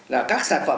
là các sản phẩm